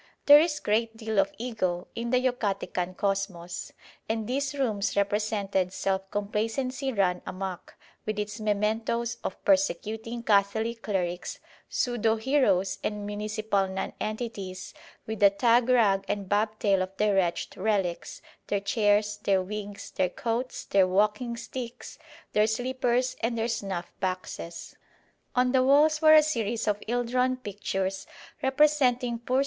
There is a great deal of Ego in the Yucatecan Kosmos, and these rooms represented self complacency run amuck, with its mementoes of persecuting Catholic clerics, pseudo heroes and municipal nonentities; with the tag rag and bob tail of their wretched relics, their chairs, their wigs, their coats, their walking sticks, their slippers and their snuff boxes. On the walls were a series of ill drawn pictures representing poor